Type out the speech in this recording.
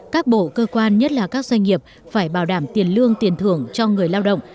các bộ cơ quan nhất là các doanh nghiệp phải bảo đảm tiền lương tiền thưởng cho người lao động